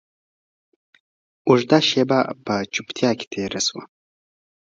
اوږده شېبه په چوپتيا کښې تېره سوه.